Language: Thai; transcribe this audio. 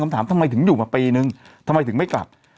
ถามทำไมถึงอยู่มาปีนึงทำไมถึงไม่กลับ